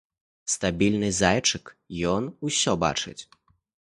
Стабільны зайчык, ён усё бачыць!